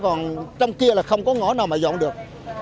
còn trong kia là không có ngõ nào mà dọn được